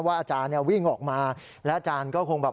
อาจารย์เนี่ยวิ่งออกมาแล้วอาจารย์ก็คงแบบ